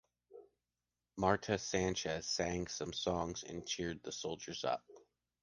Marta Sanchez sang some songs and cheered the soldiers up.